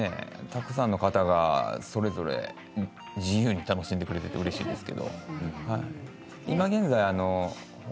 たくさんの方がそれぞれ自由に楽しんでくれていてうれしいです。